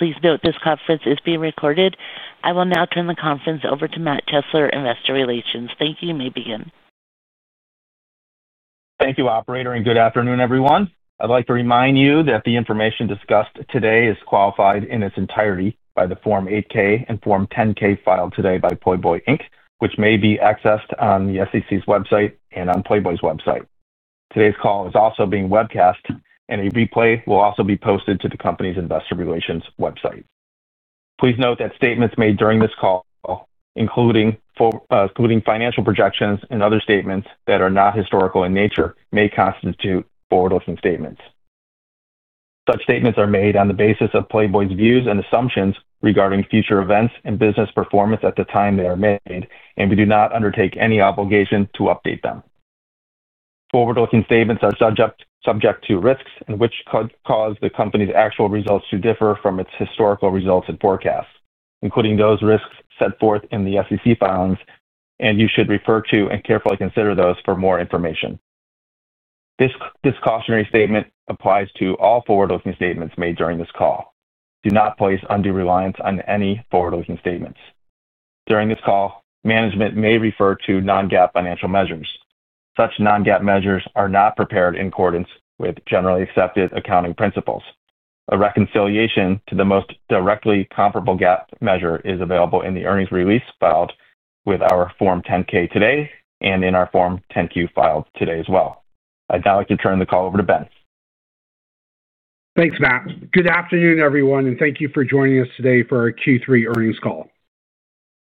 Please note this conference is being recorded. I will now turn the conference over to Matt Chesler, Investor Relations. Thank you. You may begin. Thank you, Operator, and good afternoon, everyone. I'd like to remind you that the information discussed today is qualified in its entirety by the Form 8-K and Form 10-K filed today by Playboy, which may be accessed on the SEC's website and on Playboy's website. Today's call is also being webcast, and a replay will also be posted to the company's Investor Relations website. Please note that statements made during this call, including financial projections and other statements that are not historical in nature, may constitute forward-looking statements. Such statements are made on the basis of Playboy's views and assumptions regarding future events and business performance at the time they are made, and we do not undertake any obligation to update them. Forward-looking statements are subject to risks which could cause the company's actual results to differ from its historical results and forecasts, including those risks set forth in the SEC filings, and you should refer to and carefully consider those for more information. This cautionary statement applies to all forward-looking statements made during this call. Do not place undue reliance on any forward-looking statements. During this call, management may refer to non-GAAP financial measures. Such non-GAAP measures are not prepared in accordance with generally accepted accounting principles. A reconciliation to the most directly comparable GAAP measure is available in the earnings release filed with our Form 10-K today and in our Form 10-Q filed today as well. I'd now like to turn the call over to Ben. Thanks, Matt. Good afternoon, everyone, and thank you for joining us today for our Q3 Earnings Call.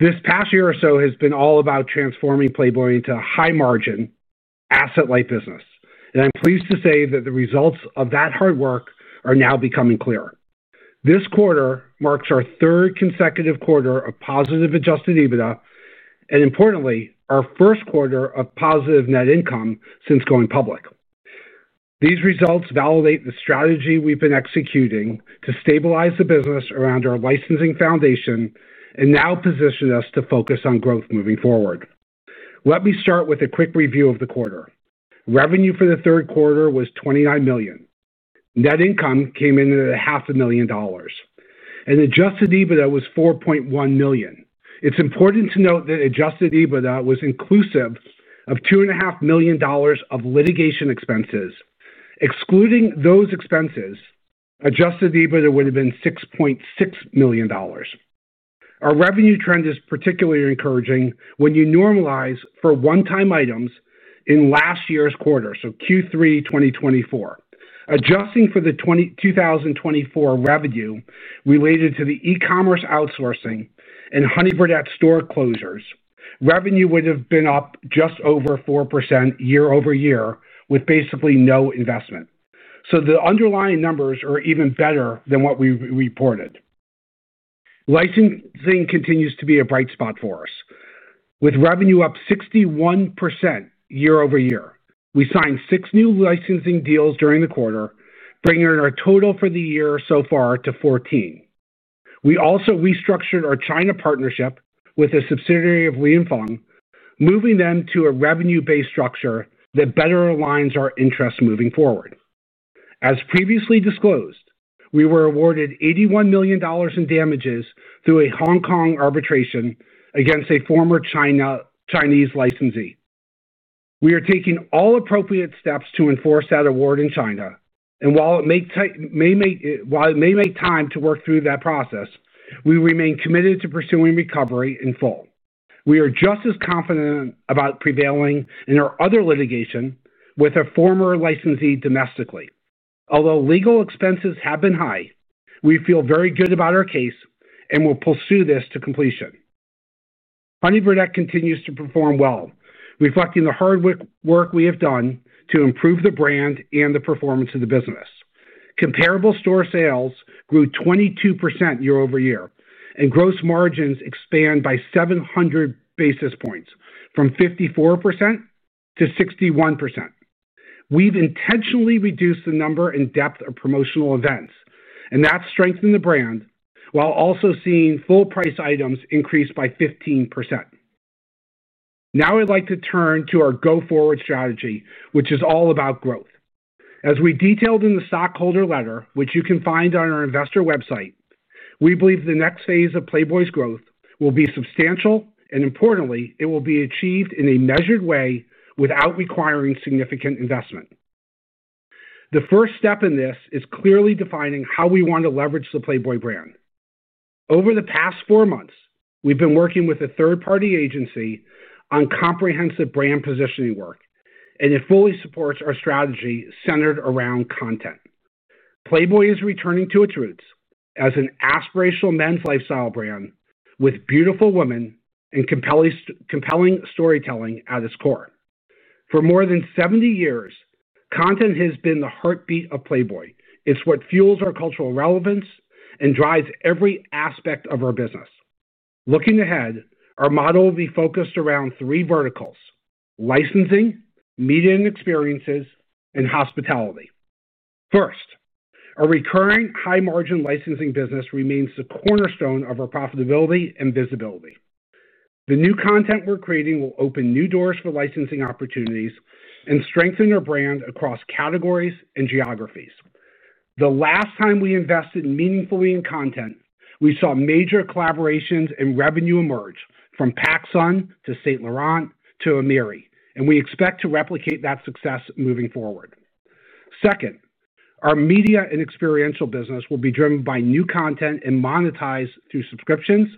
This past year or so has been all about transforming Playboy into a high-margin, asset-light business, and I'm pleased to say that the results of that hard work are now becoming clearer. This quarter marks our third consecutive quarter of positive adjusted EBITDA and, importantly, our first quarter of positive net income since going public. These results validate the strategy we've been executing to stabilize the business around our licensing foundation and now position us to focus on growth moving forward. Let me start with a quick review of the quarter. Revenue for the third quarter was $29 million. Net income came in at $500,000. And adjusted EBITDA was $4.1 million. It's important to note that adjusted EBITDA was inclusive of $2.5 million of litigation expenses. Excluding those expenses, adjusted EBITDA would have been $6.6 million. Our revenue trend is particularly encouraging when you normalize for one-time items in last year's quarter, so Q3 2024. Adjusting for the 2024 revenue related to the e-commerce outsourcing and Honey Birdette store closures, revenue would have been up just over 4% year-over-year with basically no investment. The underlying numbers are even better than what we reported. Licensing continues to be a bright spot for us, with revenue up 61% year-over-year. We signed six new licensing deals during the quarter, bringing our total for the year so far to 14. We also restructured our China partnership with a subsidiary of Lianfeng, moving them to a revenue-based structure that better aligns our interests moving forward. As previously disclosed, we were awarded $81 million in damages through a Hong Kong arbitration against a former Chinese licensee. We are taking all appropriate steps to enforce that award in China, and while it may take time to work through that process, we remain committed to pursuing recovery in full. We are just as confident about prevailing in our other litigation with a former licensee domestically. Although legal expenses have been high, we feel very good about our case and will pursue this to completion. Honey Birdette continues to perform well, reflecting the hard work we have done to improve the brand and the performance of the business. Comparable store sales grew 22% year-over-year, and gross margins expanded by 700 basis points from 54% to 61%. We've intentionally reduced the number and depth of promotional events, and that's strengthened the brand while also seeing full-price items increase by 15%. Now I'd like to turn to our go-forward strategy, which is all about growth. As we detailed in the stockholder letter, which you can find on our investor website, we believe the next phase of Playboy's growth will be substantial, and importantly, it will be achieved in a measured way without requiring significant investment. The first step in this is clearly defining how we want to leverage the Playboy brand. Over the past four months, we've been working with a third-party agency on comprehensive brand positioning work, and it fully supports our strategy centered around content. Playboy is returning to its roots as an aspirational men's lifestyle brand with beautiful women and compelling storytelling at its core. For more than 70 years, content has been the heartbeat of Playboy. It's what fuels our cultural relevance and drives every aspect of our business. Looking ahead, our model will be focused around three verticals: licensing, media and experiences, and hospitality. First, our recurring high-margin licensing business remains the cornerstone of our profitability and visibility. The new content we're creating will open new doors for licensing opportunities and strengthen our brand across categories and geographies. The last time we invested meaningfully in content, we saw major collaborations and revenue emerge from Pacsun to Saint Laurent to Amiri, and we expect to replicate that success moving forward. Second, our media and experiential business will be driven by new content and monetized through subscriptions,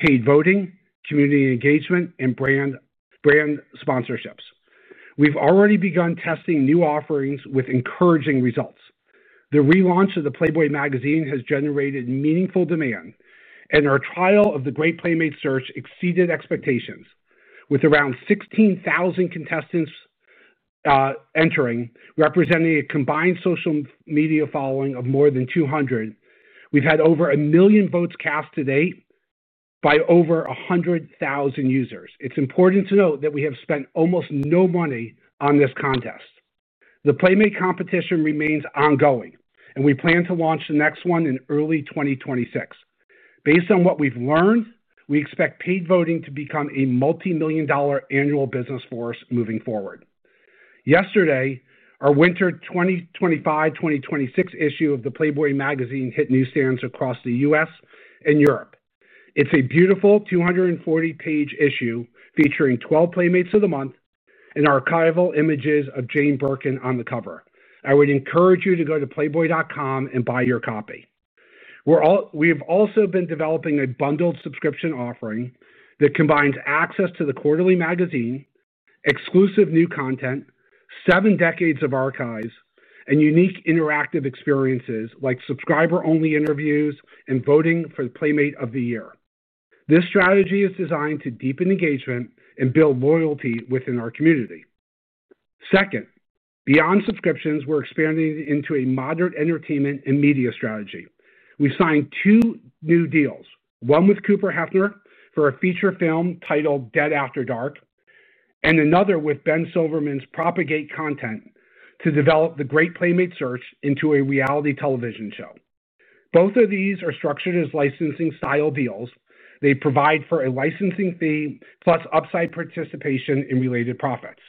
paid voting, community engagement, and brand sponsorships. We've already begun testing new offerings with encouraging results. The relaunch of the Playboy magazine has generated meaningful demand, and our trial of the Great Playmate Search exceeded expectations, with around 16,000 contestants entering, representing a combined social media following of more than 200 million. We've had over a million votes cast to date by over 100,000 users. It's important to note that we have spent almost no money on this contest. The Playmate competition remains ongoing, and we plan to launch the next one in early 2026. Based on what we've learned, we expect paid voting to become a multi-million dollar annual business force moving forward. Yesterday, our winter 2025-2026 issue of the Playboy magazine hit newsstands across the U.S. and Europe. It's a beautiful 240-page issue featuring 12 Playmates of the Month and archival images of Jane Birkin on the cover. I would encourage you to go to playboy.com and buy your copy. We've also been developing a bundled subscription offering that combines access to the quarterly magazine, exclusive new content, seven decades of archives, and unique interactive experiences like subscriber-only interviews and voting for the Playmate of the Year. This strategy is designed to deepen engagement and build loyalty within our community. Second, beyond subscriptions, we're expanding into a modern entertainment and media strategy. We've signed two new deals, one with Cooper Hefner for a feature film titled Dead After Dark and another with Ben Silverman's Propagate Content to develop the Great Playmate Search into a reality television show. Both of these are structured as licensing-style deals. They provide for a licensing fee plus upside participation in related profits.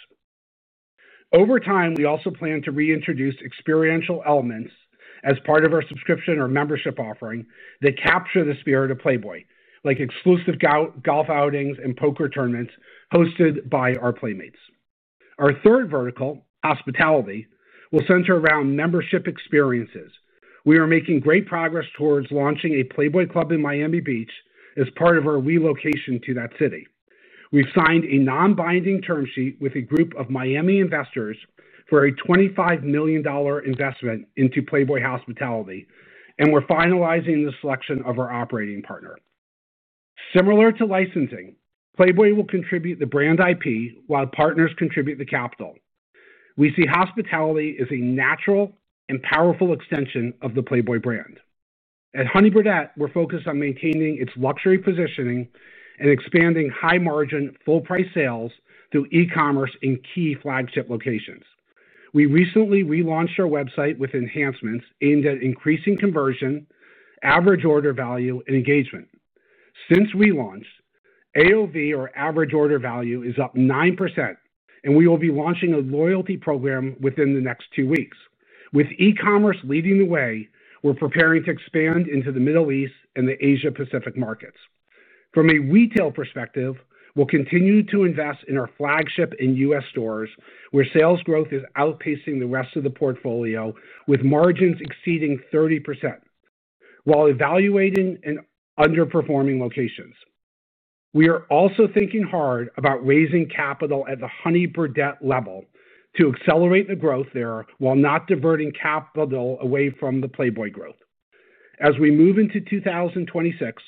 Over time, we also plan to reintroduce experiential elements as part of our subscription or membership offering that capture the spirit of Playboy, like exclusive golf outings and poker tournaments hosted by our Playmates. Our third vertical, hospitality, will center around membership experiences. We are making great progress towards launching a Playboy Club in Miami Beach as part of our relocation to that city. We've signed a non-binding term sheet with a group of Miami investors for a $25 million investment into Playboy hospitality, and we're finalizing the selection of our operating partner. Similar to licensing, Playboy will contribute the brand IP while partners contribute the capital. We see hospitality as a natural and powerful extension of the Playboy brand. At Honey Birdette, we're focused on maintaining its luxury positioning and expanding high-margin, full-price sales through e-commerce in key flagship locations. We recently relaunched our website with enhancements aimed at increasing conversion, average order value, and engagement. Since we launched, AOV, or average order value, is up 9%, and we will be launching a loyalty program within the next two weeks. With e-commerce leading the way, we're preparing to expand into the Middle East and the Asia-Pacific markets. From a retail perspective, we'll continue to invest in our flagship and U.S. stores where sales growth is outpacing the rest of the portfolio with margins exceeding 30%, while evaluating and underperforming locations. We are also thinking hard about raising capital at the Honey Birdette level to accelerate the growth there while not diverting capital away from the Playboy growth. As we move into 2026,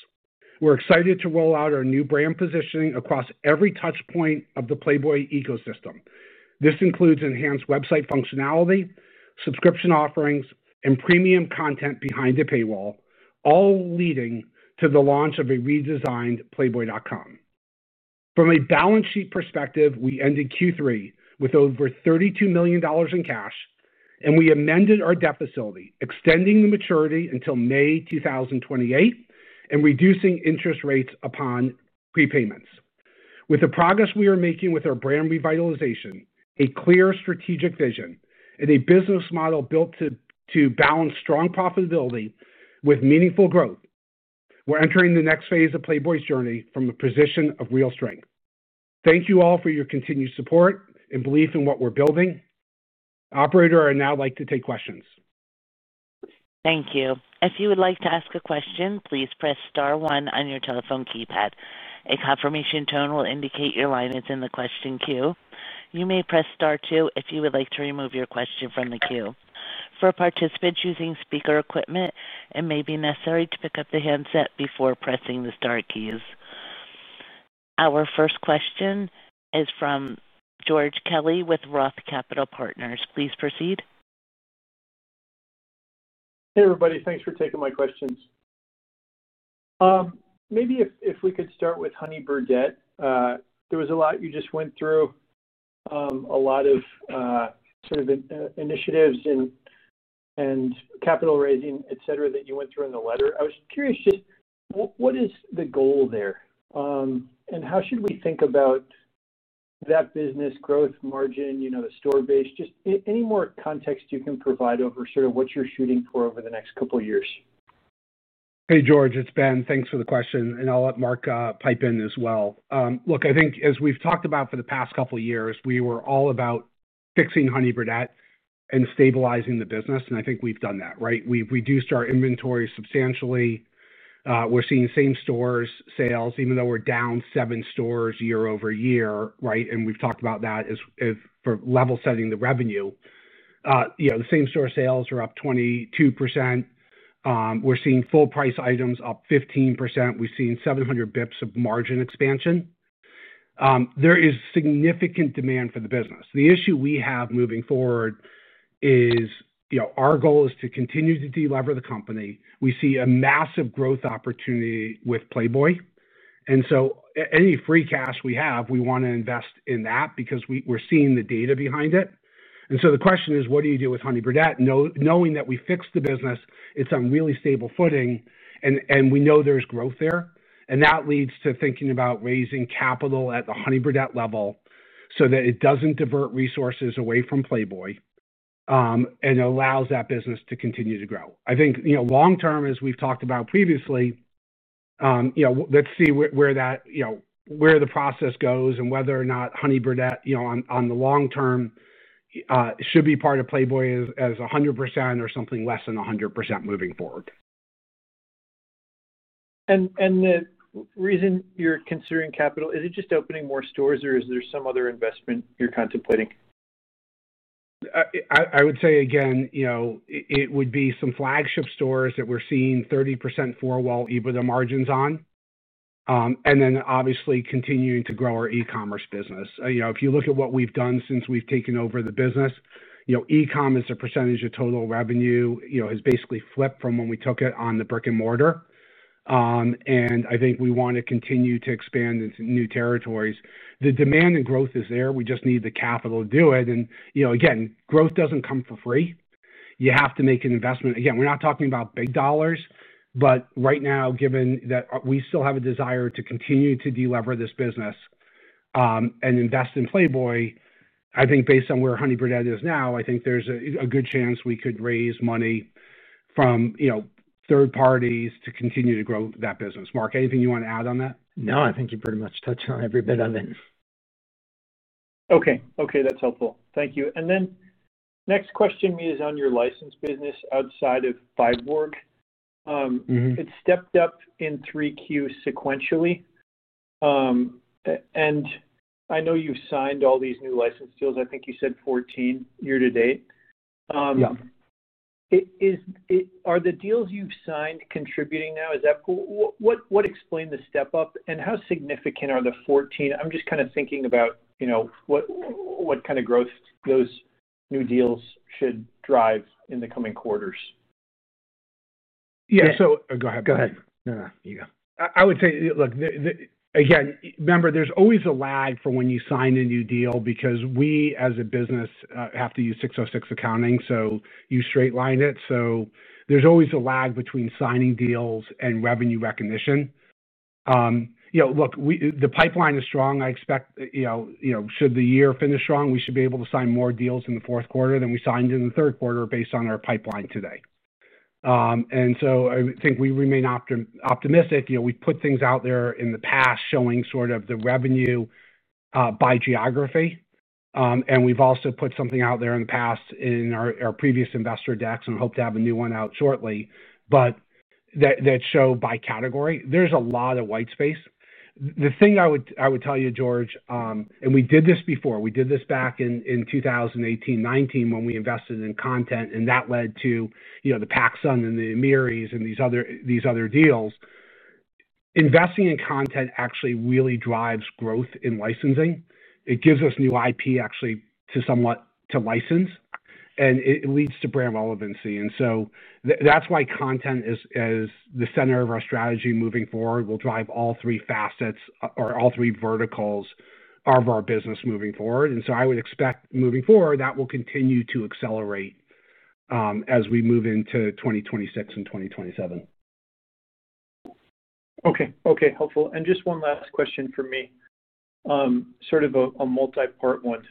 we're excited to roll out our new brand positioning across every touchpoint of the Playboy ecosystem. This includes enhanced website functionality, subscription offerings, and premium content behind the paywall, all leading to the launch of a redesigned playboy.com. From a balance sheet perspective, we ended Q3 with over $32 million in cash, and we amended our debt facility, extending the maturity until May 2028 and reducing interest rates upon prepayments. With the progress we are making with our brand revitalization, a clear strategic vision, and a business model built to balance strong profitability with meaningful growth, we're entering the next phase of Playboy's journey from a position of real strength. Thank you all for your continued support and belief in what we're building. Operator, I'd now like to take questions. Thank you. If you would like to ask a question, please press Star one on your telephone keypad. A confirmation tone will indicate your line is in the question queue. You may press Star two if you would like to remove your question from the queue. For participants using speaker equipment, it may be necessary to pick up the handset before pressing the Star keys. Our first question is from George Kelly with ROTH Capital Partners. Please proceed. Hey, everybody. Thanks for taking my questions. Maybe if we could start with Honey Birdette. There was a lot you just went through, a lot of sort of initiatives and capital raising, etc., that you went through in the letter. I was curious just what is the goal there and how should we think about that business growth, margin, the store base, just any more context you can provide over sort of what you're shooting for over the next couple of years. Hey, George. It's Ben. Thanks for the question. I'll let Marc pipe in as well. Look, I think as we've talked about for the past couple of years, we were all about fixing Honey Birdette and stabilizing the business, and I think we've done that, right. We've reduced our inventory substantially. We're seeing same-store sales, even though we're down seven stores year-over-year, right. We've talked about that for level-setting the revenue. The same-store sales are up 22%. We're seeing full-price items up 15%. We've seen 700 basis points of margin expansion. There is significant demand for the business. The issue we have moving forward is our goal is to continue to delever the company. We see a massive growth opportunity with Playboy. Any free cash we have, we want to invest in that because we're seeing the data behind it. The question is, what do you do with Honey Birdette? Knowing that we fixed the business, it's on really stable footing, and we know there's growth there. That leads to thinking about raising capital at the Honey Birdette level so that it doesn't divert resources away from Playboy and allows that business to continue to grow. I think long-term, as we've talked about previously, let's see where the process goes and whether or not Honey Birdette on the long-term should be part of Playboy as 100% or something less than 100% moving forward. The reason you're considering capital, is it just opening more stores or is there some other investment you're contemplating? I would say, again, it would be some flagship stores that we're seeing 30% four-wall EBITDA margins on, and obviously continuing to grow our e-commerce business. If you look at what we've done since we've taken over the business, e-commerce percentage of total revenue has basically flipped from when we took it on the brick and mortar. I think we want to continue to expand into new territories. The demand and growth is there. We just need the capital to do it. Growth doesn't come for free. You have to make an investment. Again, we're not talking about big dollars, but right now, given that we still have a desire to continue to delever this business and invest in Playboy, I think based on where Honey Birdette is now, I think there's a good chance we could raise money from third parties to continue to grow that business. Marc, anything you want to add on that? No, I think you pretty much touched on every bit of it. Okay. Okay. That's helpful. Thank you. Next question is on your license business outside of Byborg. It stepped up in three quarters sequentially. I know you've signed all these new license deals. I think you said 14 year to date. Yeah. Are the deals you've signed contributing now? What explained the step up? How significant are the 14? I'm just kind of thinking about what kind of growth those new deals should drive in the coming quarters. Yeah. Go ahead. Go ahead. No, no. You go. I would say, look, again, remember, there's always a lag for when you sign a new deal because we, as a business, have to use 606 accounting, so you straight-line it. There's always a lag between signing deals and revenue recognition. Look, the pipeline is strong. I expect should the year finish strong, we should be able to sign more deals in the fourth quarter than we signed in the third quarter based on our pipeline today. I think we remain optimistic. We've put things out there in the past showing sort of the revenue by geography. We've also put something out there in the past in our previous investor decks and hope to have a new one out shortly that show by category. There's a lot of white space. The thing I would tell you, George, and we did this before. We did this back in 2018, 2019 when we invested in content, and that led to the Pacsun and the Amiri and these other deals. Investing in content actually really drives growth in licensing. It gives us new IP actually to license, and it leads to brand relevancy. That is why content is the center of our strategy moving forward. We will drive all three facets or all three verticals of our business moving forward. I would expect moving forward that will continue to accelerate as we move into 2026 and 2027. Okay. Okay. Helpful. Just one last question for me, sort of a multi-part one.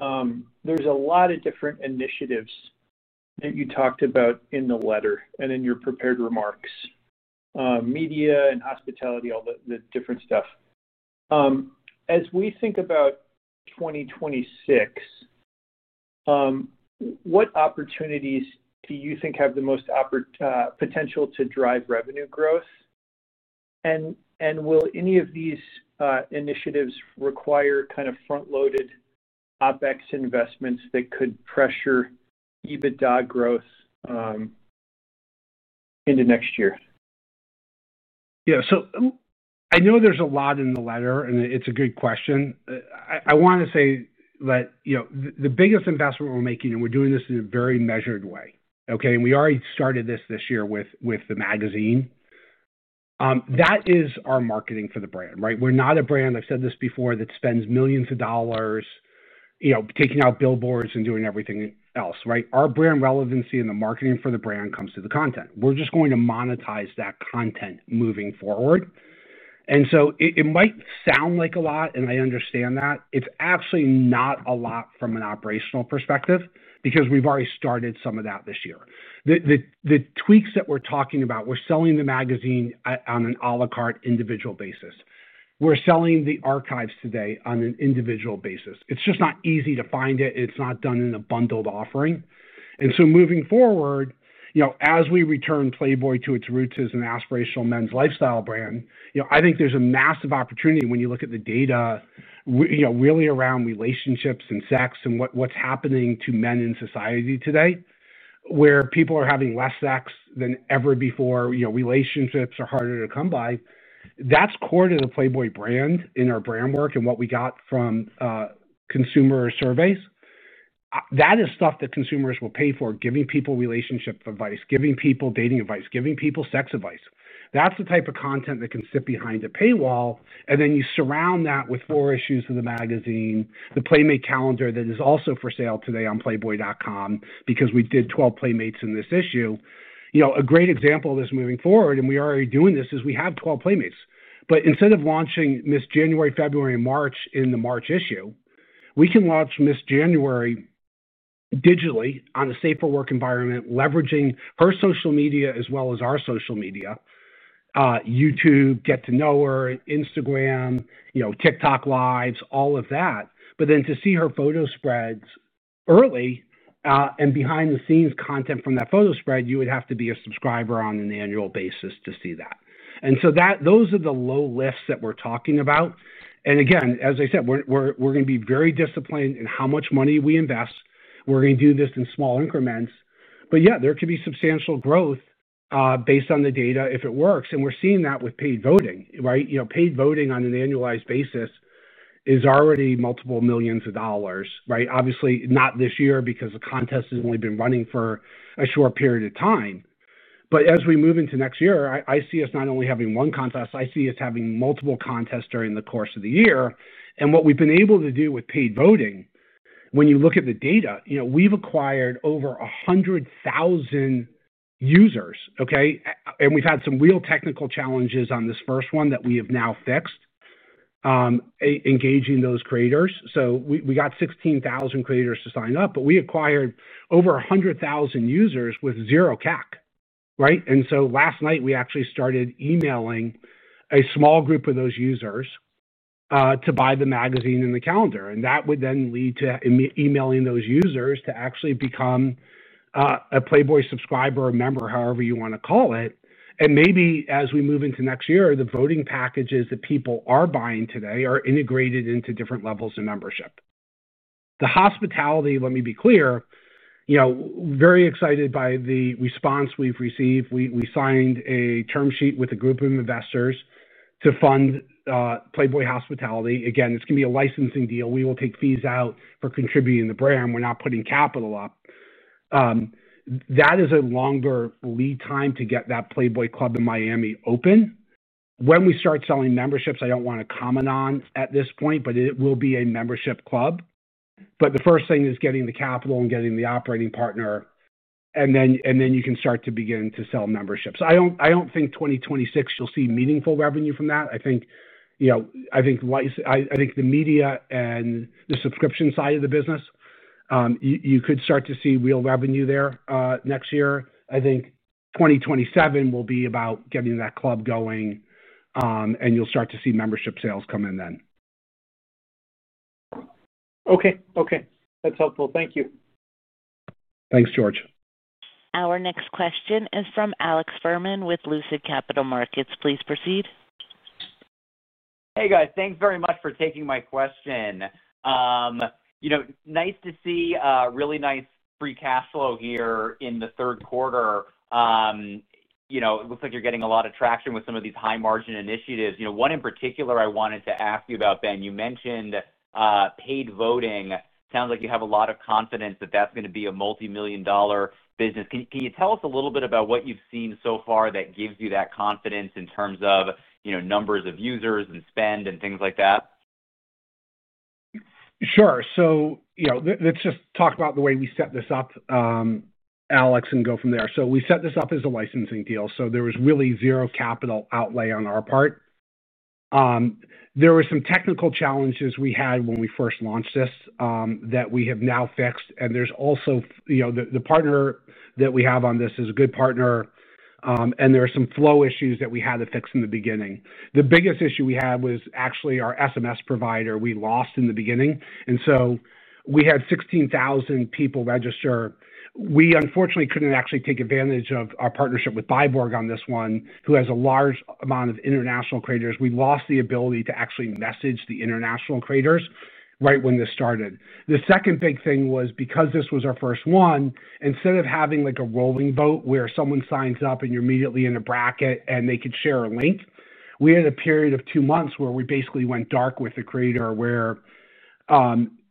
There is a lot of different initiatives that you talked about in the letter and in your prepared remarks, media and hospitality, all the different stuff. As we think about 2026, what opportunities do you think have the most potential to drive revenue growth? Will any of these initiatives require kind of front-loaded OpEx investments that could pressure EBITDA growth into next year? Yeah. I know there's a lot in the letter, and it's a good question. I want to say that the biggest investment we're making, and we're doing this in a very measured way, okay. We already started this this year with the magazine. That is our marketing for the brand, right. We're not a brand, I've said this before, that spends millions of dollars taking out billboards and doing everything else, right. Our brand relevancy and the marketing for the brand comes through the content. We're just going to monetize that content moving forward. It might sound like a lot, and I understand that. It's actually not a lot from an operational perspective because we've already started some of that this year. The tweaks that we're talking about, we're selling the magazine on an à la carte individual basis. We're selling the archives today on an individual basis. It's just not easy to find it. It's not done in a bundled offering. Moving forward, as we return Playboy to its roots as an aspirational men's lifestyle brand, I think there's a massive opportunity when you look at the data really around relationships and sex and what's happening to men in society today where people are having less sex than ever before. Relationships are harder to come by. That's core to the Playboy brand in our brand work and what we got from consumer surveys. That is stuff that consumers will pay for, giving people relationship advice, giving people dating advice, giving people sex advice. That's the type of content that can sit behind a paywall. You surround that with four issues of the magazine, the Playmate calendar that is also for sale today on playboy.com because we did 12 Playmates in this issue. A great example of this moving forward, and we are already doing this, is we have 12 Playmates. Instead of launching Miss January, February, and March in the March issue, we can launch Miss January digitally on a safer work environment, leveraging her social media as well as our social media, YouTube, Get to Know Her, Instagram, TikTok Lives, all of that. To see her photo spreads early and behind-the-scenes content from that photo spread, you would have to be a subscriber on an annual basis to see that. Those are the low lifts that we're talking about. As I said, we're going to be very disciplined in how much money we invest. We're going to do this in small increments. Yeah, there could be substantial growth based on the data if it works. We're seeing that with paid voting, right. Paid voting on an annualized basis is already multiple millions of dollars, right. Obviously, not this year because the contest has only been running for a short period of time. As we move into next year, I see us not only having one contest, I see us having multiple contests during the course of the year. What we've been able to do with paid voting, when you look at the data, we've acquired over 100,000 users, okay. We've had some real technical challenges on this first one that we have now fixed, engaging those creators. We got 16,000 creators to sign up, but we acquired over 100,000 users with zero CAC, right. Last night, we actually started emailing a small group of those users to buy the magazine and the calendar. That would then lead to emailing those users to actually become a Playboy subscriber or member, however you want to call it. Maybe as we move into next year, the voting packages that people are buying today are integrated into different levels of membership. The hospitality, let me be clear, very excited by the response we've received. We signed a term sheet with a group of investors to fund Playboy hospitality. Again, this can be a licensing deal. We will take fees out for contributing the brand. We're not putting capital up. That is a longer lead time to get that Playboy Club in Miami open. When we start selling memberships, I don't want to comment on at this point, but it will be a membership club. The first thing is getting the capital and getting the operating partner, and then you can start to begin to sell memberships. I do not think 2026 you will see meaningful revenue from that. I think the media and the subscription side of the business, you could start to see real revenue there next year. I think 2027 will be about getting that club going, and you will start to see membership sales come in then. Okay. Okay. That's helpful. Thank you. Thanks, George. Our next question is from Alex Fuhrman with Lucid Capital Markets. Please proceed. Hey, guys. Thanks very much for taking my question. Nice to see really nice free cash flow here in the third quarter. It looks like you're getting a lot of traction with some of these high-margin initiatives. One in particular I wanted to ask you about, Ben, you mentioned paid voting. Sounds like you have a lot of confidence that that's going to be a multi-million dollar business. Can you tell us a little bit about what you've seen so far that gives you that confidence in terms of numbers of users and spend and things like that? Sure. Let's just talk about the way we set this up, Alex, and go from there. We set this up as a licensing deal. There was really zero capital outlay on our part. There were some technical challenges we had when we first launched this that we have now fixed. There is also the partner that we have on this, who is a good partner, and there are some flow issues that we had to fix in the beginning. The biggest issue we had was actually our SMS provider we lost in the beginning. We had 16,000 people register. We, unfortunately, could not actually take advantage of our partnership with Byborg on this one, who has a large amount of international creators. We lost the ability to actually message the international creators right when this started. The second big thing was because this was our first one, instead of having a rolling vote where someone signs up and you're immediately in a bracket and they could share a link, we had a period of two months where we basically went dark with the creator where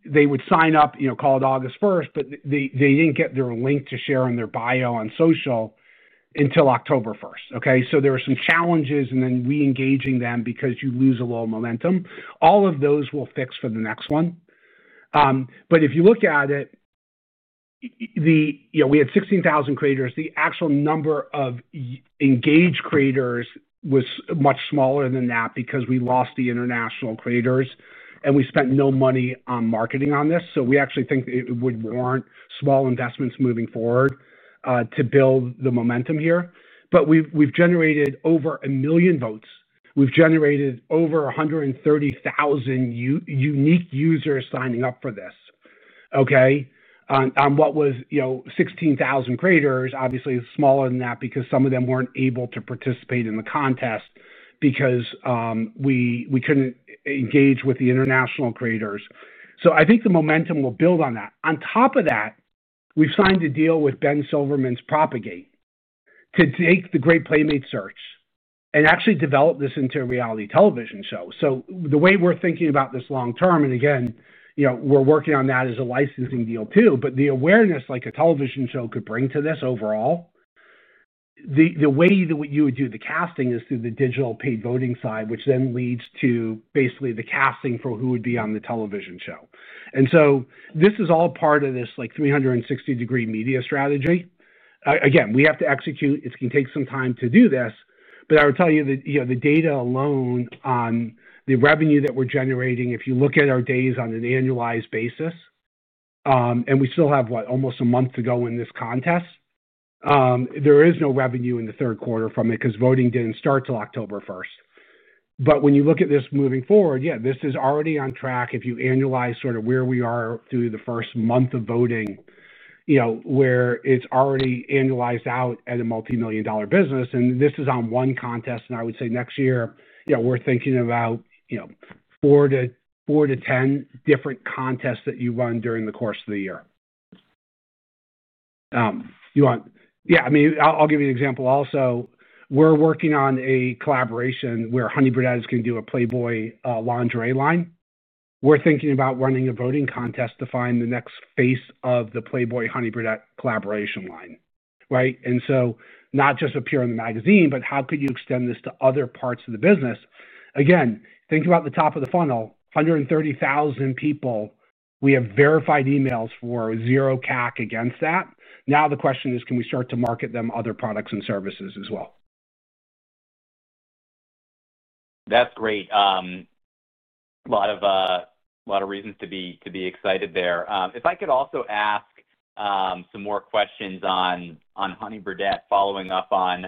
they would sign up, call it August 1, but they didn't get their link to share on their bio on social until October 1, okay. There were some challenges, and then re-engaging them because you lose a little momentum. All of those will fix for the next one. If you look at it, we had 16,000 creators. The actual number of engaged creators was much smaller than that because we lost the international creators, and we spent no money on marketing on this. We actually think it would warrant small investments moving forward to build the momentum here. We've generated over a million votes. We've generated over 130,000 unique users signing up for this, okay, on what was 16,000 creators, obviously smaller than that because some of them weren't able to participate in the contest because we couldn't engage with the international creators. I think the momentum will build on that. On top of that, we've signed a deal with Ben Silverman's Propagate to take the Great Playmate Search and actually develop this into a reality television show. The way we're thinking about this long-term, and again, we're working on that as a licensing deal too, but the awareness a television show could bring to this overall, the way that you would do the casting is through the digital paid voting side, which then leads to basically the casting for who would be on the television show. This is all part of this 360-degree media strategy. Again, we have to execute. It's going to take some time to do this. I will tell you that the data alone on the revenue that we're generating, if you look at our days on an annualized basis, and we still have, what, almost a month to go in this contest, there is no revenue in the third quarter from it because voting did not start until October 1. When you look at this moving forward, yeah, this is already on track. If you annualize sort of where we are through the first month of voting, where it's already annualized out at a multi-million dollar business, and this is on one contest, I would say next year, we're thinking about 4-10 different contests that you run during the course of the year. Yeah. I mean, I'll give you an example also. We're working on a collaboration where Honey Birdette is going to do a Playboy lingerie line. We're thinking about running a voting contest to find the next phase of the Playboy Honey Birdette collaboration line, right. Not just appear on the magazine, but how could you extend this to other parts of the business? Again, think about the top of the funnel, 130,000 people. We have verified emails for zero CAC against that. Now the question is, can we start to market them other products and services as well? That's great. A lot of reasons to be excited there. If I could also ask some more questions on Honey Birdette following up on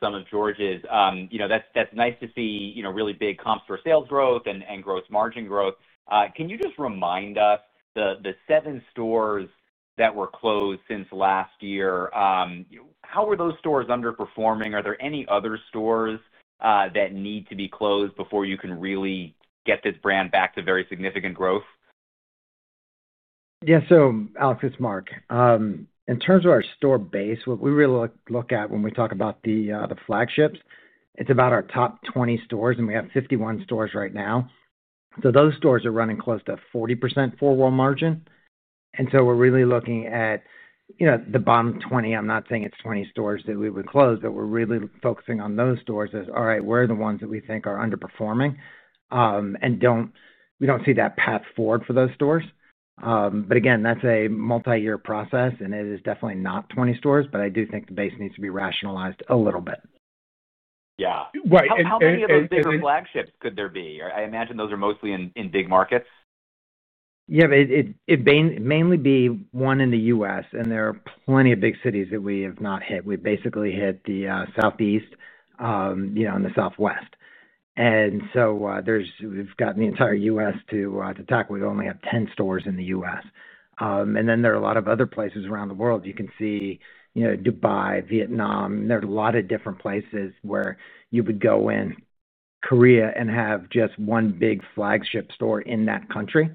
some of George's, that's nice to see really big comps for sales growth and gross margin growth. Can you just remind us the seven stores that were closed since last year, how were those stores underperforming? Are there any other stores that need to be closed before you can really get this brand back to very significant growth? Yeah. So Alex, it's Marc. In terms of our store base, what we really look at when we talk about the flagships, it's about our top 20 stores, and we have 51 stores right now. Those stores are running close to 40% forward margin. We are really looking at the bottom 20. I'm not saying it's 20 stores that we would close, but we're really focusing on those stores as, "All right, where are the ones that we think are underperforming?" We do not see that path forward for those stores. Again, that's a multi-year process, and it is definitely not 20 stores, but I do think the base needs to be rationalized a little bit. Yeah. How many of those bigger flagships could there be? I imagine those are mostly in big markets. Yeah. It'd mainly be one in the U.S., and there are plenty of big cities that we have not hit. We've basically hit the Southeast and the Southwest. We've gotten the entire U.S. to tackle. We only have 10 stores in the U.S. There are a lot of other places around the world. You can see Dubai, Vietnam. There are a lot of different places where you would go in Korea and have just one big flagship store in that country.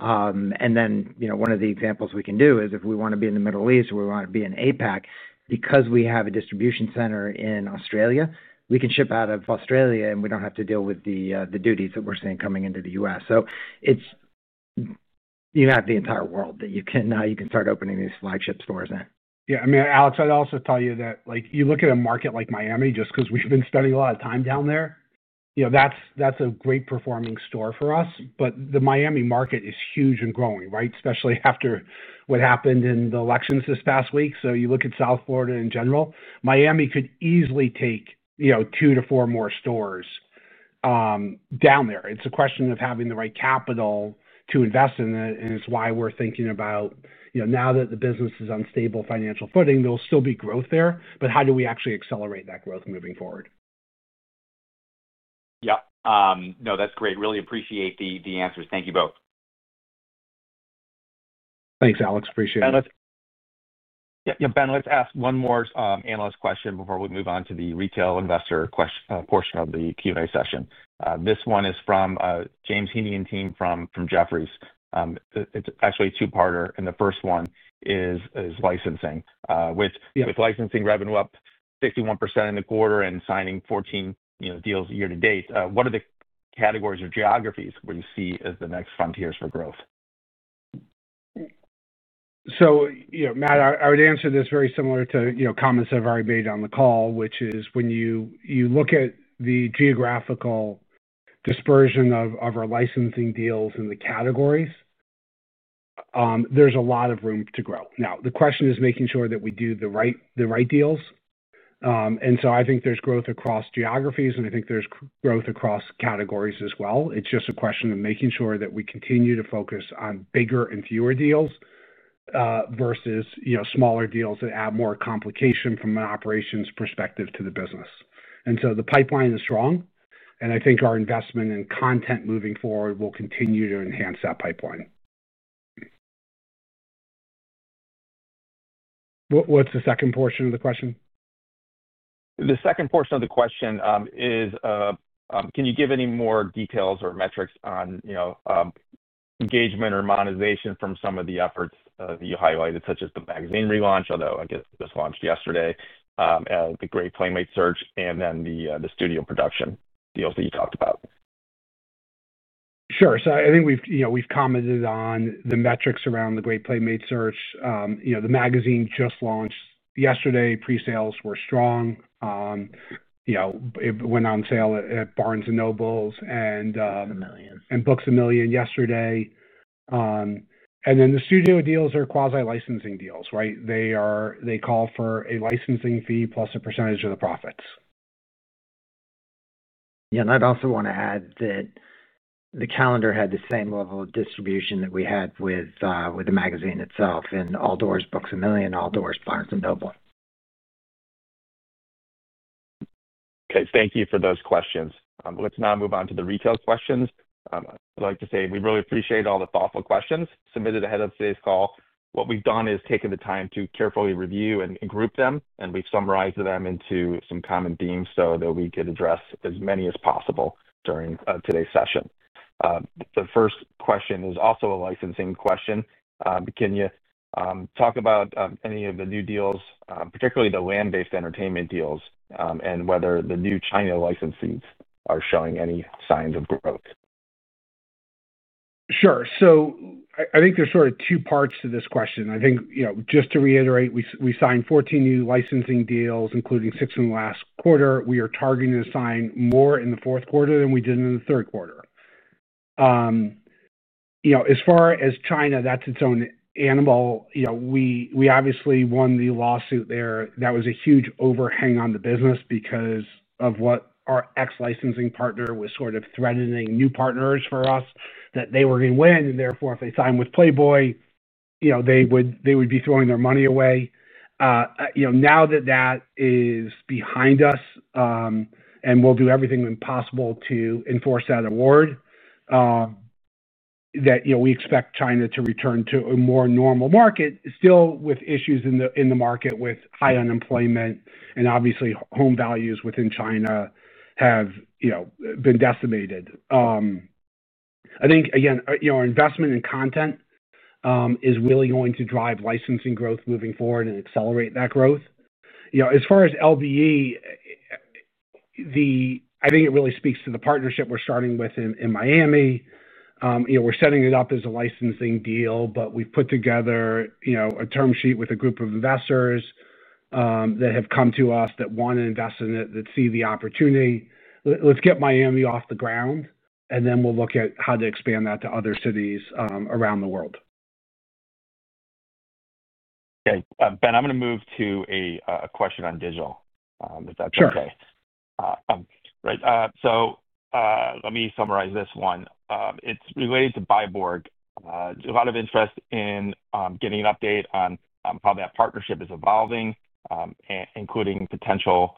One of the examples we can do is if we want to be in the Middle East or we want to be in APAC, because we have a distribution center in Australia, we can ship out of Australia, and we do not have to deal with the duties that we're seeing coming into the U.S. You have the entire world that you can start opening these flagship stores in. Yeah. I mean, Alex, I'd also tell you that you look at a market like Miami just because we've been spending a lot of time down there. That's a great-performing store for us. The Miami market is huge and growing, right. Especially after what happened in the elections this past week. You look at South Florida in general, Miami could easily take two to four more stores down there. It's a question of having the right capital to invest in it. It's why we're thinking about now that the business is on stable financial footing, there will still be growth there. How do we actually accelerate that growth moving forward? Yep. No, that's great. Really appreciate the answers. Thank you both. Thanks, Alex. Appreciate it. Yeah. Ben, let's ask one more analyst question before we move on to the retail investor portion of the Q&A session. This one is from James Heaney and team from Jefferies. It's actually a two-parter, and the first one is licensing. With licensing revenue up 61% in the quarter and signing 14 deals year to date, what are the categories or geographies where you see as the next frontiers for growth? Matt, I would answer this very similar to comments that have already been made on the call, which is when you look at the geographical dispersion of our licensing deals in the categories, there is a lot of room to grow. The question is making sure that we do the right deals. I think there is growth across geographies, and I think there is growth across categories as well. It is just a question of making sure that we continue to focus on bigger and fewer deals versus smaller deals that add more complication from an operations perspective to the business. The pipeline is strong, and I think our investment in content moving forward will continue to enhance that pipeline. What is the second portion of the question? The second portion of the question is, can you give any more details or metrics on engagement or monetization from some of the efforts that you highlighted, such as the magazine relaunch, although I guess it was launched yesterday, the Great Playmate Search, and then the studio production deals that you talked about? Sure. I think we've commented on the metrics around the Great Playmate Search. The magazine just launched yesterday. Pre-sales were strong. It went on sale at Barnes & Noble and. Books-A-Million. Books-A-Million yesterday. The studio deals are quasi-licensing deals, right. They call for a licensing fee plus a percentage of the profits. Yeah. I'd also want to add that the calendar had the same level of distribution that we had with the magazine itself. All doors Books-A-Million, all doors Barnes & Noble. Okay. Thank you for those questions. Let's now move on to the retail questions. I'd like to say we really appreciate all the thoughtful questions submitted ahead of today's call. What we've done is taken the time to carefully review and group them, and we've summarized them into some common themes so that we could address as many as possible during today's session. The first question is also a licensing question. Can you talk about any of the new deals, particularly the land-based entertainment deals, and whether the new China licensees are showing any signs of growth? Sure. I think there's sort of two parts to this question. I think just to reiterate, we signed 14 new licensing deals, including six in the last quarter. We are targeting to sign more in the fourth quarter than we did in the third quarter. As far as China, that's its own animal. We obviously won the lawsuit there. That was a huge overhang on the business because of what our ex-licensing partner was sort of threatening new partners for us that they were going to win. Therefore, if they signed with Playboy, they would be throwing their money away. Now that that is behind us, and we'll do everything possible to enforce that award, we expect China to return to a more normal market, still with issues in the market with high unemployment, and obviously, home values within China have been decimated. I think, again, our investment in content is really going to drive licensing growth moving forward and accelerate that growth. As far as LBE, I think it really speaks to the partnership we're starting with in Miami. We're setting it up as a licensing deal, but we've put together a term sheet with a group of investors that have come to us that want to invest in it, that see the opportunity. Let's get Miami off the ground, and then we'll look at how to expand that to other cities around the world. Okay. Ben, I'm going to move to a question on digital. Is that okay. Sure. Right. Let me summarize this one. It's related to Byborg. A lot of interest in getting an update on how that partnership is evolving, including potential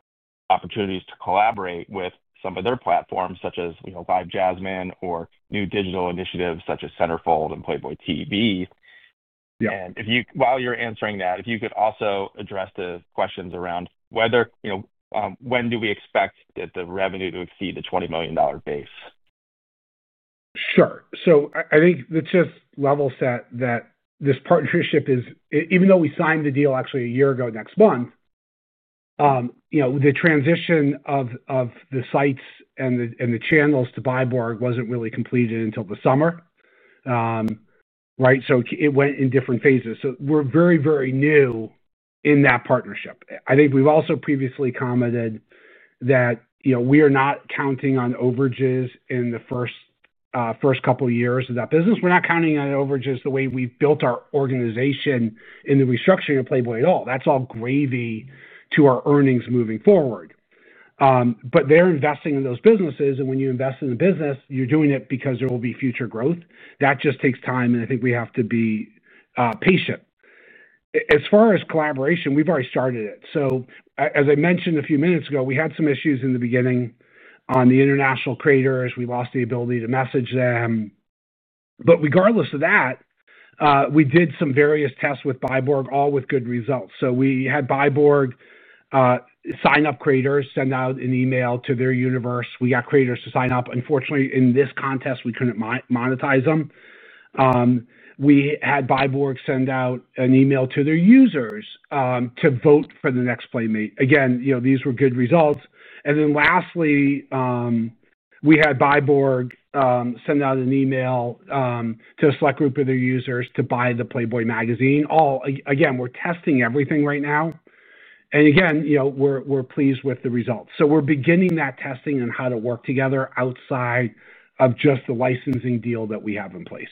opportunities to collaborate with some of their platforms, such as Live Jasmine or new digital initiatives such as Centerfold and Playboy TV. While you're answering that, if you could also address the questions around when do we expect the revenue to exceed the $20 million base? Sure. I think it's just level set that this partnership is, even though we signed the deal actually a year ago next month, the transition of the sites and the channels to Byborg wasn't really completed until the summer, right. It went in different phases. We're very, very new in that partnership. I think we've also previously commented that we are not counting on overages in the first couple of years of that business. We're not counting on overages the way we've built our organization in the restructuring of Playboy at all. That's all gravy to our earnings moving forward. They're investing in those businesses, and when you invest in a business, you're doing it because there will be future growth. That just takes time, and I think we have to be patient. As far as collaboration, we've already started it. As I mentioned a few minutes ago, we had some issues in the beginning on the international creators. We lost the ability to message them. Regardless of that, we did some various tests with Byborg, all with good results. We had Byborg sign up creators, send out an email to their universe. We got creators to sign up. Unfortunately, in this contest, we could not monetize them. We had Byborg send out an email to their users to vote for the next Playmate. These were good results. Lastly, we had Byborg send out an email to a select group of their users to buy the Playboy magazine. We are testing everything right now. We are pleased with the results. We are beginning that testing on how to work together outside of just the licensing deal that we have in place.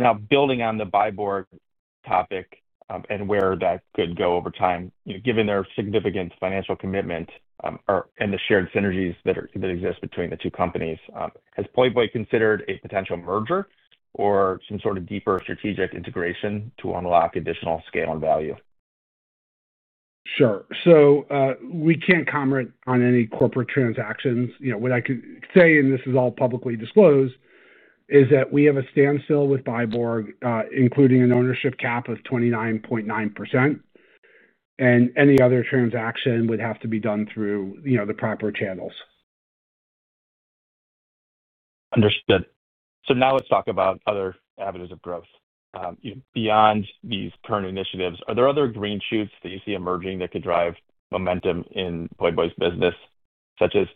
Now building on the Byborg topic and where that could go over time, given their significant financial commitment and the shared synergies that exist between the two companies, has Playboy considered a potential merger or some sort of deeper strategic integration to unlock additional scale and value? Sure. We can't comment on any corporate transactions. What I could say, and this is all publicly disclosed, is that we have a standstill with Byborg, including an ownership cap of 29.9%. Any other transaction would have to be done through the proper channels. Understood. So now let's talk about other avenues of growth. Beyond these current initiatives, are there other green shoots that you see emerging that could drive momentum in Playboy's business, such as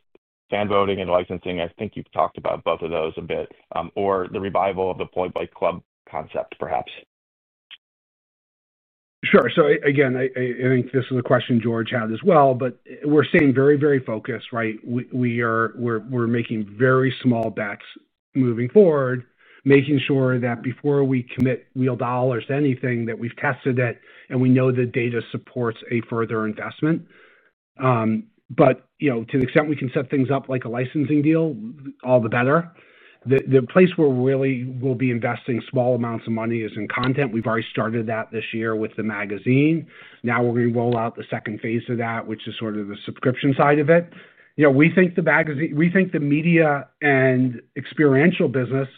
fan voting and licensing? I think you've talked about both of those a bit, or the revival of the Playboy Club concept, perhaps. Sure. Again, I think this is a question George had as well, but we're staying very, very focused, right. We're making very small bets moving forward, making sure that before we commit real dollars to anything, that we've tested it and we know the data supports a further investment. To the extent we can set things up like a licensing deal, all the better. The place where we really will be investing small amounts of money is in content. We've already started that this year with the magazine. Now we're going to roll out the second phase of that, which is sort of the subscription side of it. We think the media and experiential business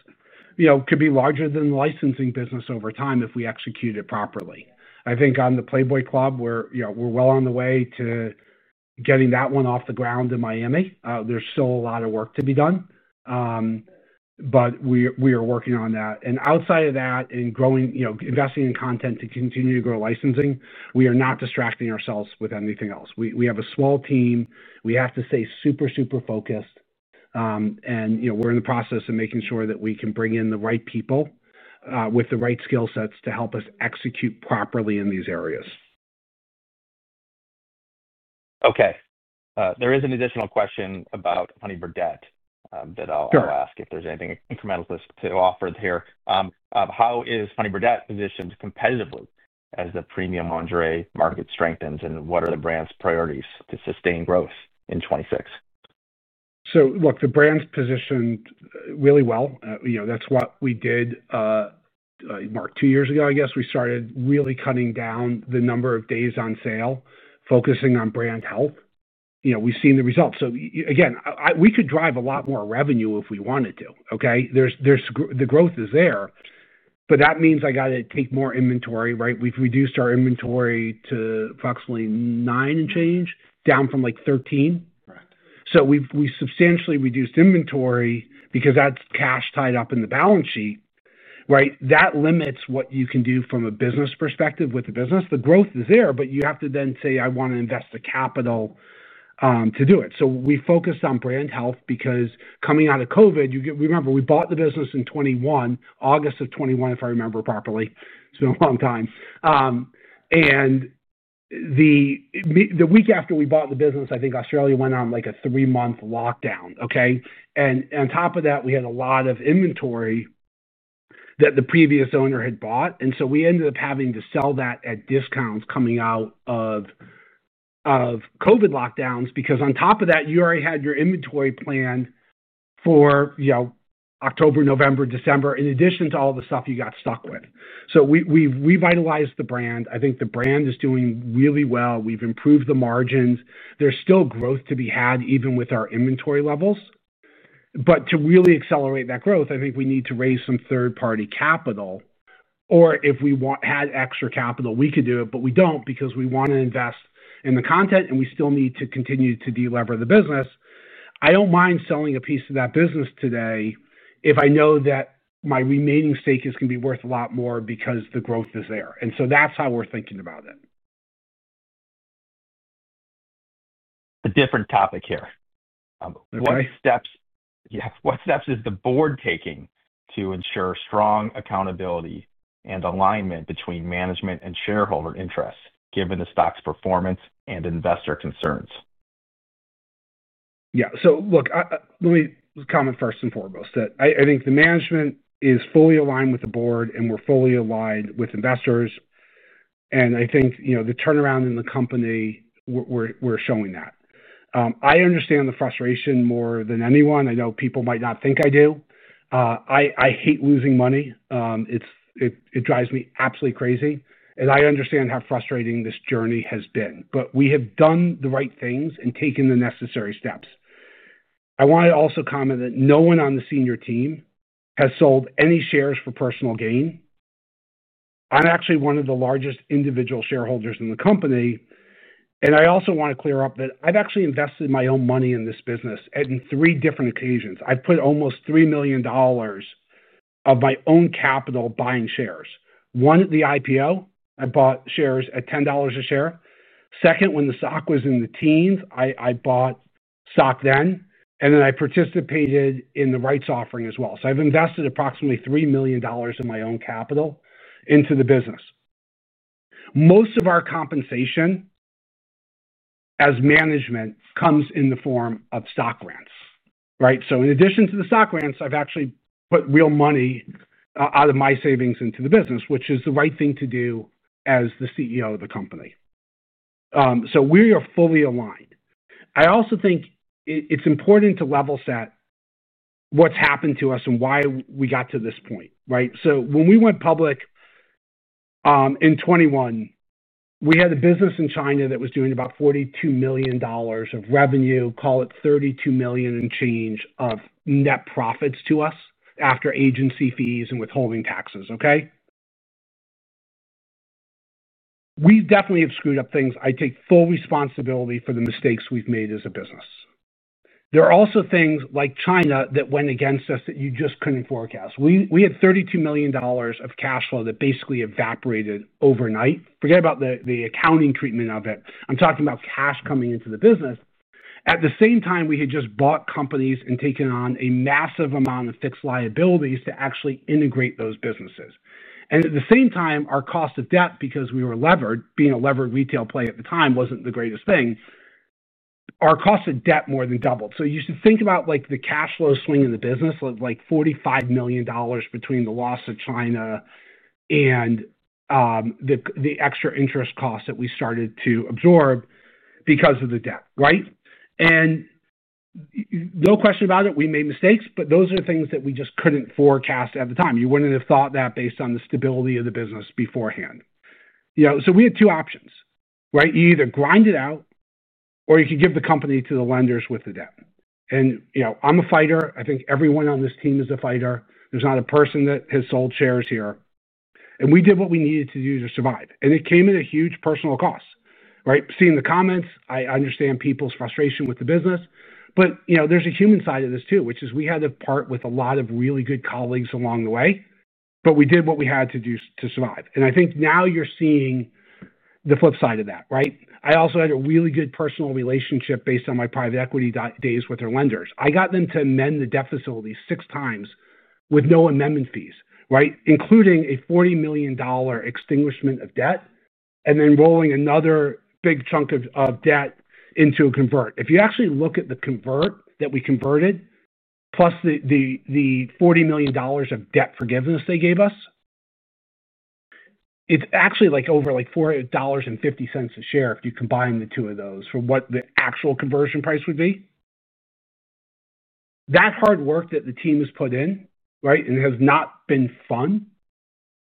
could be larger than the licensing business over time if we execute it properly. I think on the Playboy Club, we're well on the way to getting that one off the ground in Miami. There's still a lot of work to be done, but we are working on that. Outside of that, in investing in content to continue to grow licensing, we are not distracting ourselves with anything else. We have a small team. We have to stay super, super focused. We're in the process of making sure that we can bring in the right people with the right skill sets to help us execute properly in these areas. Okay. There is an additional question about Honey Birdette that I'll ask if there's anything incremental to offer here. How is Honey Birdette positioned competitively as the premium lingerie market strengthens, and what are the brand's priorities to sustain growth in 2026? Look, the brand's positioned really well. That's what we did two years ago, I guess. We started really cutting down the number of days on sale, focusing on brand health. We've seen the results. Again, we could drive a lot more revenue if we wanted to, okay. The growth is there. That means I got to take more inventory, right. We've reduced our inventory to approximately $9 million and change, down from like $13 million. We substantially reduced inventory because that's cash tied up in the balance sheet, right. That limits what you can do from a business perspective with the business. The growth is there, but you have to then say, "I want to invest the capital to do it." We focused on brand health because coming out of COVID, remember, we bought the business in 2021, August of 2021, if I remember properly. It's been a long time. The week after we bought the business, I think Australia went on like a three-month lockdown, okay. On top of that, we had a lot of inventory that the previous owner had bought. We ended up having to sell that at discounts coming out of COVID lockdowns because on top of that, you already had your inventory planned for October, November, December, in addition to all the stuff you got stuck with. We revitalized the brand. I think the brand is doing really well. We've improved the margins. There's still growth to be had even with our inventory levels. To really accelerate that growth, I think we need to raise some third-party capital. If we had extra capital, we could do it, but we do not because we want to invest in the content, and we still need to continue to delever the business. I do not mind selling a piece of that business today if I know that my remaining stake is going to be worth a lot more because the growth is there. That is how we are thinking about it. A different topic here. What steps is the board taking to ensure strong accountability and alignment between management and shareholder interests, given the stock's performance and investor concerns? Yeah. Look, let me comment first and foremost that I think the management is fully aligned with the board, and we're fully aligned with investors. I think the turnaround in the company, we're showing that. I understand the frustration more than anyone. I know people might not think I do. I hate losing money. It drives me absolutely crazy. I understand how frustrating this journey has been. We have done the right things and taken the necessary steps. I want to also comment that no one on the senior team has sold any shares for personal gain. I'm actually one of the largest individual shareholders in the company. I also want to clear up that I've actually invested my own money in this business on three different occasions. I've put almost $3 million of my own capital buying shares. One, at the IPO, I bought shares at $10 a share. Second, when the stock was in the teens, I bought stock then. I participated in the rights offering as well. I have invested approximately $3 million of my own capital into the business. Most of our compensation as management comes in the form of stock grants, right. In addition to the stock grants, I have actually put real money out of my savings into the business, which is the right thing to do as the CEO of the company. We are fully aligned. I also think it is important to level set what has happened to us and why we got to this point, right. When we went public in 2021, we had a business in China that was doing about $42 million of revenue, call it $32 million and change of net profits to us after agency fees and withholding taxes, okay. We definitely have screwed up things. I take full responsibility for the mistakes we've made as a business. There are also things like China that went against us that you just couldn't forecast. We had $32 million of cash flow that basically evaporated overnight. Forget about the accounting treatment of it. I'm talking about cash coming into the business. At the same time, we had just bought companies and taken on a massive amount of fixed liabilities to actually integrate those businesses. At the same time, our cost of debt, because we were levered, being a levered retail play at the time, wasn't the greatest thing. Our cost of debt more than doubled. You should think about the cash flow swing in the business of like $45 million between the loss of China and the extra interest costs that we started to absorb because of the debt, right. No question about it, we made mistakes, but those are things that we just could not forecast at the time. You would not have thought that based on the stability of the business beforehand. We had two options, right. You either grind it out or you could give the company to the lenders with the debt. I am a fighter. I think everyone on this team is a fighter. There is not a person that has sold shares here. We did what we needed to do to survive. It came at a huge personal cost, right. Seeing the comments, I understand people's frustration with the business. There's a human side of this too, which is we had to part with a lot of really good colleagues along the way, but we did what we had to do to survive. I think now you're seeing the flip side of that, right. I also had a really good personal relationship based on my private equity days with their lenders. I got them to amend the debt facility six times with no amendment fees, right. Including a $40 million extinguishment of debt and then rolling another big chunk of debt into a convert. If you actually look at the convert that we converted, plus the $40 million of debt forgiveness they gave us, it's actually like over $4.50 a share if you combine the two of those for what the actual conversion price would be. That hard work that the team has put in, right, and has not been fun,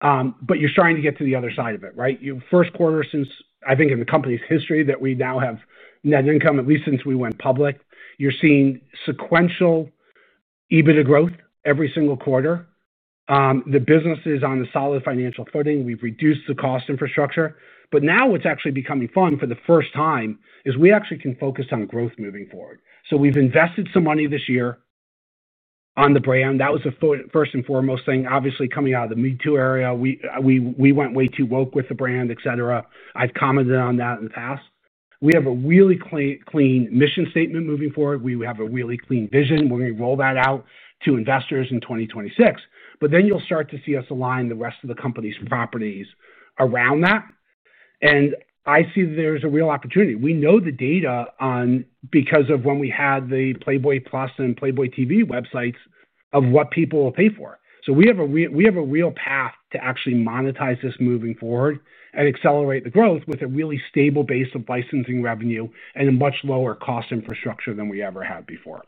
but you're starting to get to the other side of it, right. First quarter since, I think in the company's history that we now have net income, at least since we went public, you're seeing sequential EBITDA growth every single quarter. The business is on a solid financial footing. We've reduced the cost infrastructure. Now what's actually becoming fun for the first time is we actually can focus on growth moving forward. We've invested some money this year on the brand. That was the first and foremost thing. Obviously, coming out of the Me Too era, we went way too woke with the brand, etc. I've commented on that in the past. We have a really clean mission statement moving forward. We have a really clean vision. We're going to roll that out to investors in 2026. You will start to see us align the rest of the company's properties around that. I see that there's a real opportunity. We know the data because of when we had the Playboy Plus and Playboy TV websites of what people will pay for. We have a real path to actually monetize this moving forward and accelerate the growth with a really stable base of licensing revenue and a much lower cost infrastructure than we ever had before.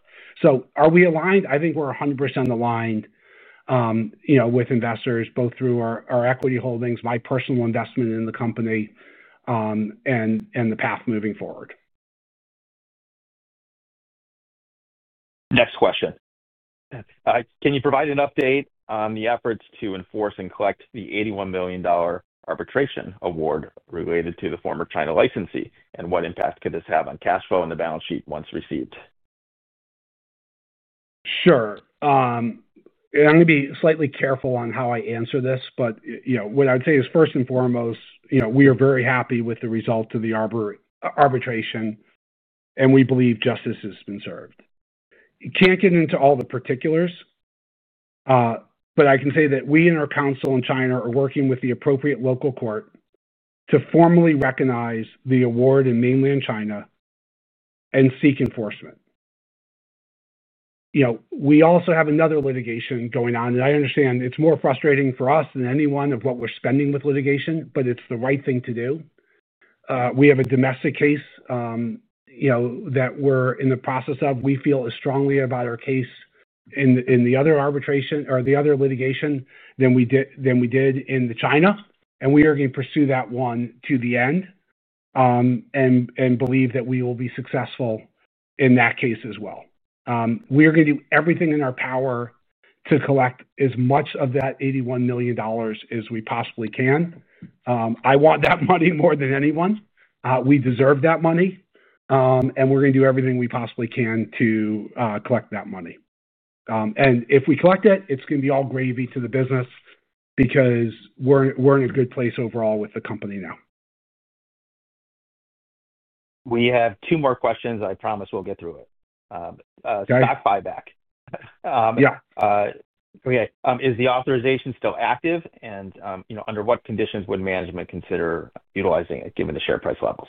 Are we aligned. I think we're 100% aligned with investors, both through our equity holdings, my personal investment in the company, and the path moving forward. Next question. Can you provide an update on the efforts to enforce and collect the $81 million arbitration award related to the former China licensee and what impact could this have on cash flow and the balance sheet once received? Sure. I'm going to be slightly careful on how I answer this, but what I would say is first and foremost, we are very happy with the result of the arbitration, and we believe justice has been served. Can't get into all the particulars, but I can say that we and our counsel in China are working with the appropriate local court to formally recognize the award in mainland China and seek enforcement. We also have another litigation going on. I understand it's more frustrating for us than anyone of what we're spending with litigation, but it's the right thing to do. We have a domestic case that we're in the process of. We feel as strongly about our case in the other arbitration or the other litigation than we did in China. We are going to pursue that one to the end and believe that we will be successful in that case as well. We are going to do everything in our power to collect as much of that $81 million as we possibly can. I want that money more than anyone. We deserve that money. We are going to do everything we possibly can to collect that money. If we collect it, it is going to be all gravy to the business because we are in a good place overall with the company now. We have two more questions. I promise we'll get through it. Stock buyback. Okay. Is the authorization still active? Under what conditions would management consider utilizing it given the share price levels?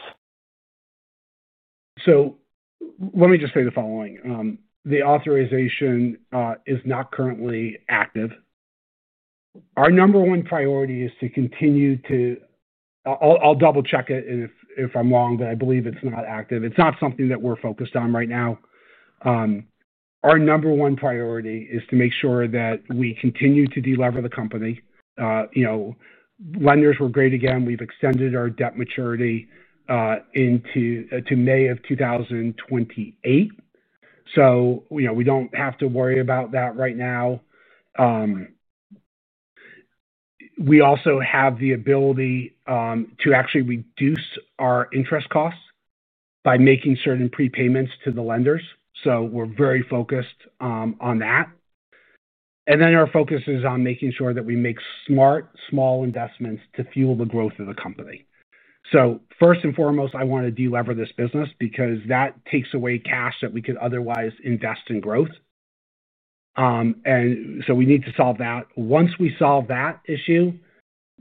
Let me just say the following. The authorization is not currently active. Our number one priority is to continue to—I'll double-check it if I'm wrong, but I believe it's not active. It's not something that we're focused on right now. Our number one priority is to make sure that we continue to delever the company. Lenders were great again. We've extended our debt maturity into May of 2028. We don't have to worry about that right now. We also have the ability to actually reduce our interest costs by making certain prepayments to the lenders. We're very focused on that. Our focus is on making sure that we make smart, small investments to fuel the growth of the company. First and foremost, I want to delever this business because that takes away cash that we could otherwise invest in growth. We need to solve that. Once we solve that issue,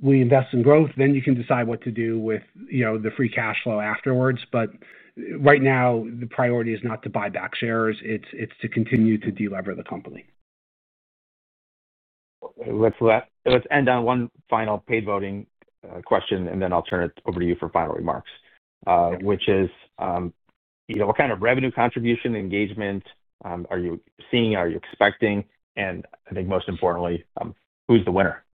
we invest in growth, then you can decide what to do with the free cash flow afterwards. Right now, the priority is not to buy back shares. It is to continue to delever the company. Let's end on one final paid voting question, and then I'll turn it over to you for final remarks. Which is, what kind of revenue contribution engagement are you seeing? Are you expecting? And I think most importantly, who's the winner?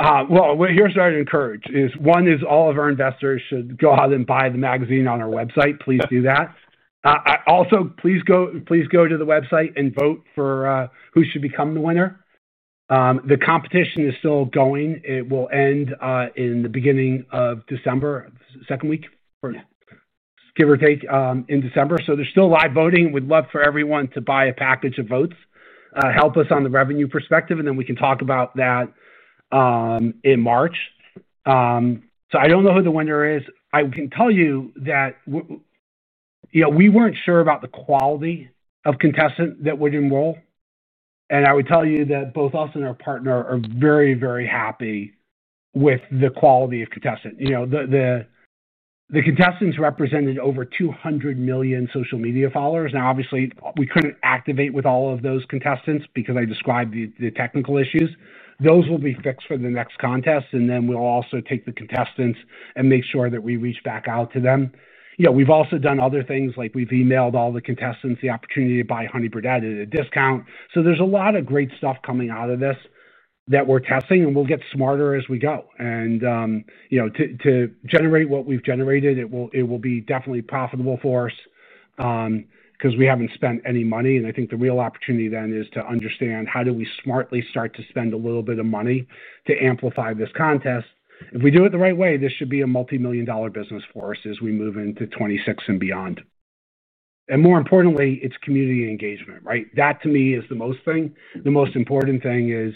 What you're starting to encourage is one is all of our investors should go out and buy the magazine on our website. Please do that. Also, please go to the website and vote for who should become the winner. The competition is still going. It will end in the beginning of December, second week, give or take in December. There is still live voting. We'd love for everyone to buy a package of votes, help us on the revenue perspective, and then we can talk about that in March. I don't know who the winner is. I can tell you that we weren't sure about the quality of contestants that would enroll. I would tell you that both us and our partner are very, very happy with the quality of contestants. The contestants represented over 200 million social media followers. Now, obviously, we couldn't activate with all of those contestants because I described the technical issues. Those will be fixed for the next contest. We will also take the contestants and make sure that we reach back out to them. We've also done other things. We've emailed all the contestants the opportunity to buy Honey Birdette at a discount. There is a lot of great stuff coming out of this that we're testing, and we'll get smarter as we go. To generate what we've generated, it will be definitely profitable for us because we haven't spent any money. I think the real opportunity then is to understand how do we smartly start to spend a little bit of money to amplify this contest. If we do it the right way, this should be a multi-million dollar business for us as we move into 2026 and beyond. It is community engagement, right. That, to me, is the most important thing. The most important thing is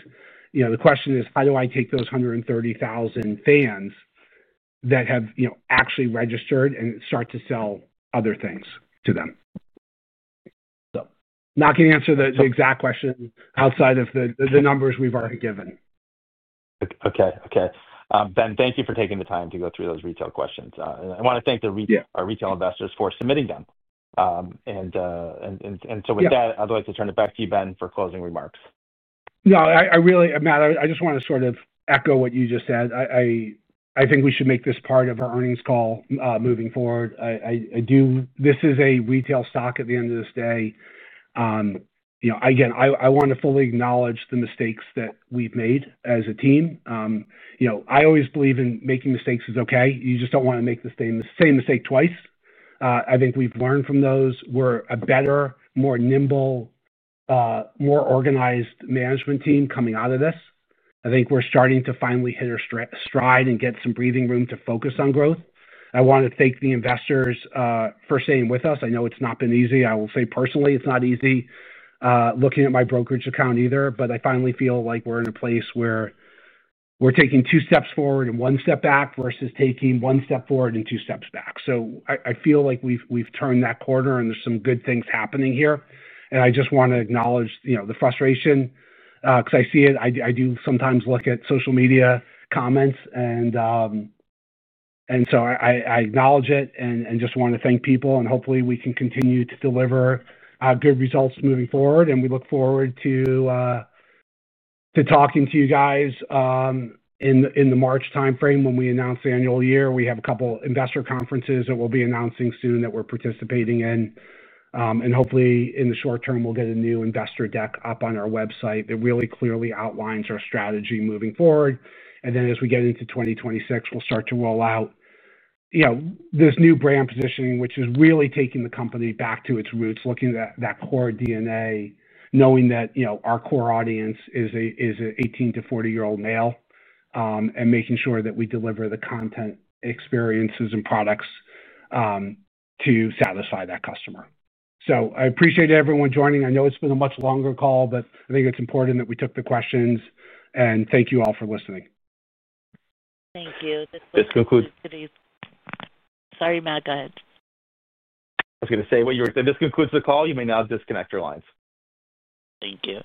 the question is, how do I take those 130,000 fans that have actually registered and start to sell other things to them? Not going to answer the exact question outside of the numbers we've already given. Okay. Okay. Ben, thank you for taking the time to go through those retail questions. I want to thank our retail investors for submitting them. With that, I'd like to turn it back to you, Ben, for closing remarks. No, I really—I just want to sort of echo what you just said. I think we should make this part of our earnings call moving forward. This is a retail stock at the end of this day. Again, I want to fully acknowledge the mistakes that we've made as a team. I always believe in making mistakes is okay. You just don't want to make the same mistake twice. I think we've learned from those. We're a better, more nimble, more organized management team coming out of this. I think we're starting to finally hit our stride and get some breathing room to focus on growth. I want to thank the investors for staying with us. I know it's not been easy. I will say personally, it's not easy looking at my brokerage account either, but I finally feel like we're in a place where we're taking two steps forward and one step back versus taking one step forward and two steps back. I feel like we've turned that corner and there's some good things happening here. I just want to acknowledge the frustration because I see it. I do sometimes look at social media comments, and I acknowledge it and just want to thank people. Hopefully, we can continue to deliver good results moving forward. We look forward to talking to you guys in the March timeframe when we announce the annual year. We have a couple of investor conferences that we'll be announcing soon that we're participating in. Hopefully, in the short term, we'll get a new investor deck up on our website that really clearly outlines our strategy moving forward. As we get into 2026, we'll start to roll out this new brand positioning, which is really taking the company back to its roots, looking at that core DNA, knowing that our core audience is an 18 to 40-year-old male, and making sure that we deliver the content, experiences, and products to satisfy that customer. I appreciate everyone joining. I know it's been a much longer call, but I think it's important that we took the questions. Thank you all for listening. Thank you. This concludes. Sorry, Matt. Go ahead. I was going to say, this concludes the call. You may now disconnect your lines. Thank you.